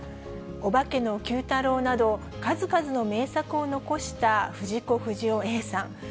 オバケのＱ太郎など、数々の名作を残した藤子不二雄Ａさん。